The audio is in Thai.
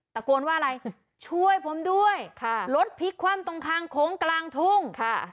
ตะโกนว่าอะไรช่วยผมด้วยค่ะรถพลิกคว่ำตรงทางโค้งกลางทุ่งค่ะ